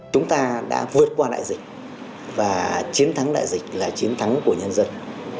chúng ta đã vượt qua đại dịch và chiến thắng đại dịch là chiến thắng của nhân dân